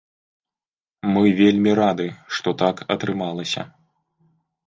Мы вельмі рады, што так атрымалася.